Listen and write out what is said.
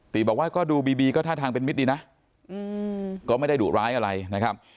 บอกว่าก็ดูบีบีก็ท่าทางเป็นมิตรดีนะก็ไม่ได้ดุร้ายอะไรนะครับ